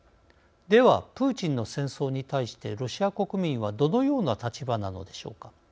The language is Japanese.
では「プーチンの戦争」に対してロシア国民はどのような立場なのでしょうか。